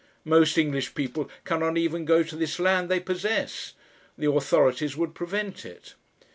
Most English people cannot even go to this land they possess; the authorities would prevent it.